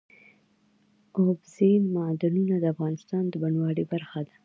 اوبزین معدنونه د افغانستان د بڼوالۍ برخه ده.